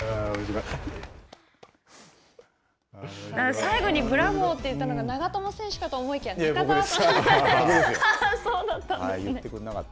最後にブラボーって言ったのが長友選手かと思いきや、中澤さんだった。